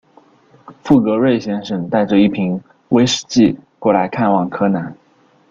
富格瑞先生带着一瓶威士忌过来看望柯南。